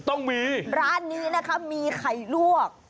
ต้องมีร้านนี้นะคะมีไข่ลวก